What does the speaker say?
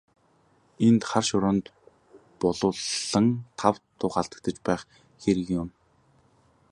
Энд хар шороонд булуулан тав тух алдаж байх хэрэг юун.